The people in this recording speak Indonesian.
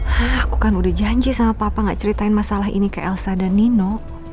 hah aku kan udah janji sama papa gak ceritain masalah ini ke elsa dan nino